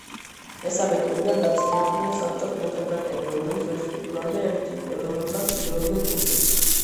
მესამე ტურიდან დაწინაურდნენ საბჭოთ მოჭადრაკეები, რომლებიც მეშვიდე ტურამდე ერთპიროვნულად ლიდერობდნენ ტურნირს.